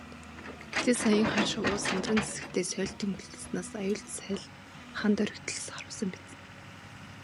Гэтэл саяын хар шувуу сандран нисэхдээ сойлтыг мулталснаас аюулт сааль хана доргитол харвасан биз.